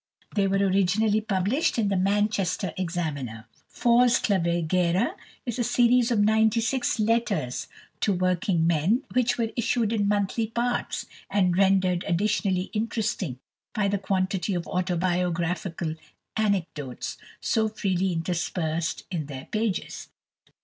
They were originally published in the Manchester Examiner. "Fors Clavigera" is a series of ninety six letters to working men, which were issued in monthly parts, and rendered additionally interesting by the quantity of autobiographical anecdotes so freely interspersed in their pages.